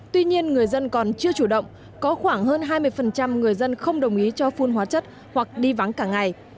tuy nhiên người dân còn chưa chủ động có khoảng hơn hai mươi người dân không đồng ý cho phun hóa chất hoặc đi vắng cả ngày